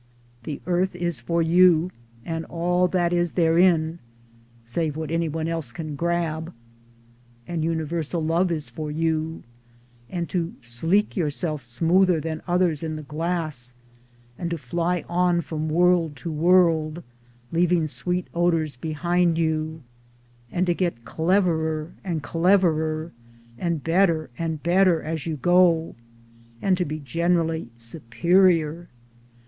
The Earth is for you, and all that is therein — save what anyone else can grab ; and universal love is for you — and to sleek yourself smoother than others in the glass ; and to fly on from world to world, leaving sweet odors behind you, and to get cleverer and cleverer and better and better as you go, and to be generally superior